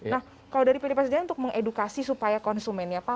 nah kalau dari pdp sejalan untuk mengedukasi supaya konsumen ya pak